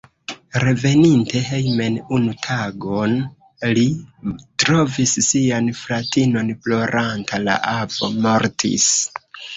Reveninte hejmen unu tagon, li trovis sian fratinon ploranta: la avo mortis.